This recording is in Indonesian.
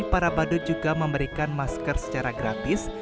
para badut juga memberikan masker secara gratis